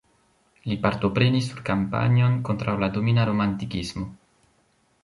Li partoprenis sur kampanjon kontraŭ la domina romantikismo.